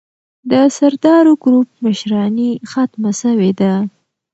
د سردارو ګروپ مشراني ختمه سوې ده.